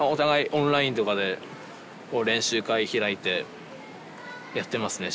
オンラインとかで練習会開いてやってますね